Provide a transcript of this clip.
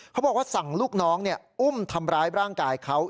เขาบอกว่าสั่งลูกน้องอุ้มทำร้ายร่างกายเขา